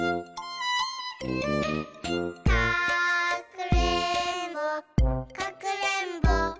「かくれんぼかくれんぼ」